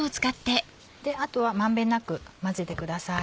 あとは満遍なく混ぜてください。